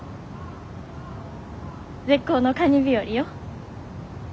絶好のカニ日和よ。